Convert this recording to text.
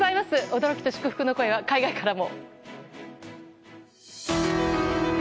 驚きと祝福の声は海外からも。